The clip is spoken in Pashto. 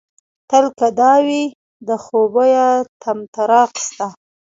تل که دا وي د خوبيه طمطراق ستا